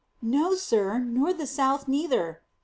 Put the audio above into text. "No, sir, nor the south neither."